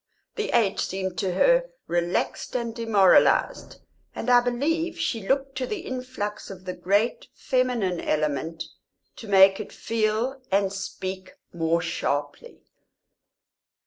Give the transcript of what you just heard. The age seemed to her relaxed and demoralised, and I believe she looked to the influx of the great feminine element to make it feel and speak more sharply.